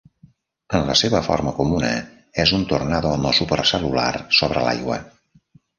En la seva forma comuna, és un tornado no supercel·lular sobre l'aigua.